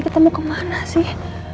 kita mau kemana sih